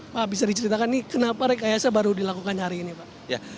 pak bisa diceritakan ini kenapa rekayasa baru dilakukan hari ini pak